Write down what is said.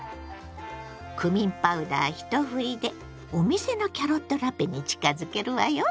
クミンパウダー一振りでお店のキャロットラペに近づけるわよ！